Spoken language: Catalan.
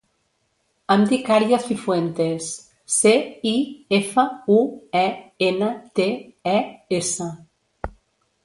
Em dic Aria Cifuentes: ce, i, efa, u, e, ena, te, e, essa.